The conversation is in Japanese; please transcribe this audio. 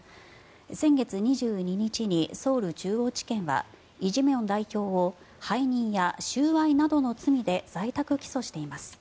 先月２２日にソウル中央地検はイ・ジェミョン代表を背任や収賄などの罪で在宅起訴しています。